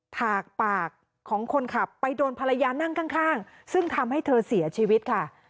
ถากปากของคนขับไปโดนภรรยานั่งข้างซึ่งทำให้เธอเสียชีวิตค่ะ